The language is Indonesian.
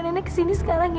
nenek kesini sekarang ya